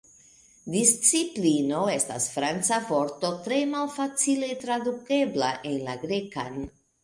Disciplino estas Franca vorto tre malfacile tradukebla en la Grekan.